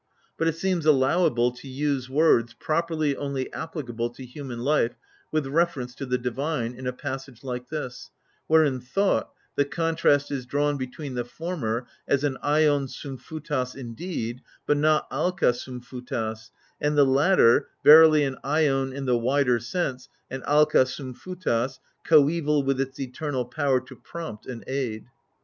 But it seems allowable to use words, properly only applicable to human life, with reference to the divine, in a passage like this, where in thought the contrast is drawn between the former as an aUov orvfKfiVTos indeed, but not uAk^ <r6fi<l>vTos, and the latter, verily an atcuv in the wider sense, and olXk^ (rvfitfiVToSi coeval with its eternal power to prompt and aid.